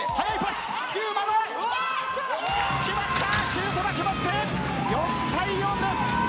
シュートが決まって４対４です。